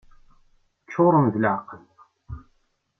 Ččuren d leεqel!